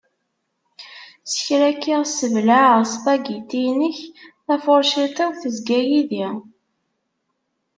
S kra kkiɣ sseblaɛeɣ ssbagiti-inek, tafurciṭ-iw tezga yid-i.